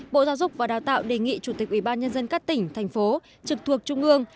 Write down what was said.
bộ giáo dục và đào tạo đề nghị chủ tịch ủy ban nhân dân các tỉnh thành phố trực thuộc trung ương